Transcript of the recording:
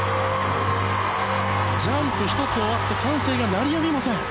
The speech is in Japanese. ジャンプ１つ終わって歓声が鳴りやみません。